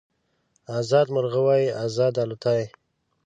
ازاد مرغه وای ازاد الوتای